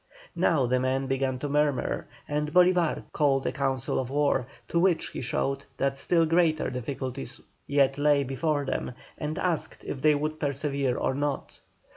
Now the men began to murmur, and Bolívar called a council of war, to which he showed that still greater difficulties yet lay before them, and asked if they would persevere or not.